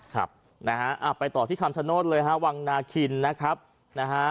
ครับนะฮะไปต่อที่คำชโนธเลยฮะวังนาคินนะครับนะฮะ